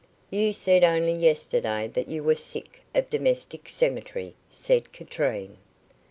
"You said only yesterday that you were sick of this domestic cemetery," said Katrine.